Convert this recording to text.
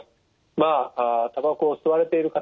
まあたばこを吸われている方